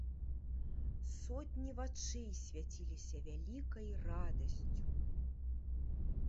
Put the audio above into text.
Сотні вачэй свяціліся вялікай радасцю.